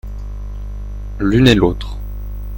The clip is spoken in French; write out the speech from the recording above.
l'une et l'autre.